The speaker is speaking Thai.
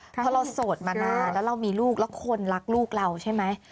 เพราะเราโสดมานานแล้วเรามีลูกแล้วคนรักลูกเราใช่ไหม